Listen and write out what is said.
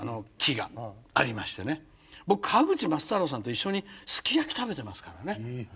僕川口松太郎さんと一緒にすき焼き食べてますからね。